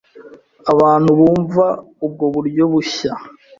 abantu bumva ubwo buryo bushya,